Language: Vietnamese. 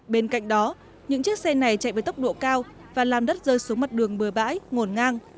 bên cạnh đó những chiếc xe này chạy với tốc độ cao và làm đất rơi xuống mặt đường bừa bãi ngổn ngang